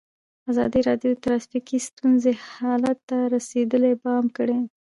ازادي راډیو د ټرافیکي ستونزې حالت ته رسېدلي پام کړی.